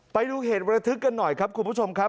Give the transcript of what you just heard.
ไปดูเหตุระทึกกันหน่อยครับคุณผู้ชมครับ